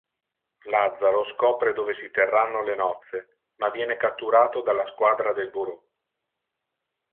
Lazzaro scopre dove si terranno le nozze, ma viene catturato dalla squadra del Bureau.